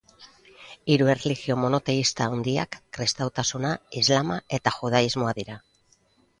Hiru erlijio monoteista handiak kristautasuna, islama eta judaismoa dira.